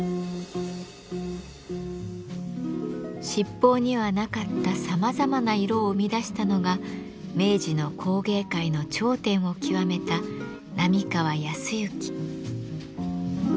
七宝にはなかったさまざまな色を生み出したのが明治の工芸界の頂点を極めた並河靖之。